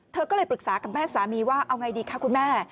เธอก็เลยปรึกษากับแม่สามีว่าเอาไงดีคะคุณแม่